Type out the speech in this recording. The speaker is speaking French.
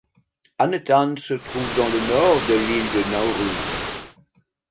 Anetan se trouve dans le Nord de l'île de Nauru.